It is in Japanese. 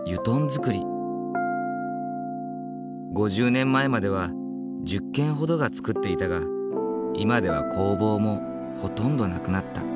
５０年前までは１０軒ほどが作っていたが今では工房もほとんど無くなった。